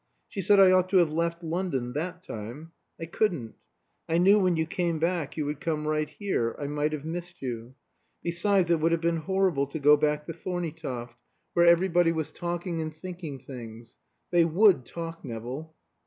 She said I ought to have left London that time. I couldn't. I knew when you came back you would come right here I might have missed you. Besides, it would have been horrible to go back to Thorneytoft, where everybody was talking and thinking things. They would talk, Nevill."